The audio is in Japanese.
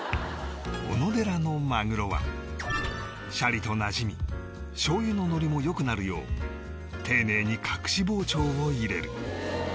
おのでらのマグロはシャリとなじみ醤油ののりも良くなるよう丁寧に隠し包丁を入れる